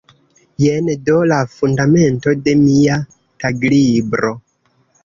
Jen do la fundamento de mia taglibro“.